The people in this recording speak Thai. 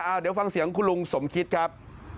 เดี๋ยวฟังเสียงคุณลุงสมคิดครับ